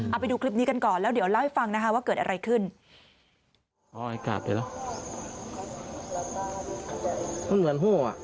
เอาไปดูคลิปนี้กันก่อนแล้วเดี๋ยวเล่าให้ฟังนะคะว่าเกิดอะไรขึ้น